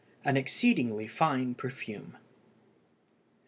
An exceedingly fine perfume.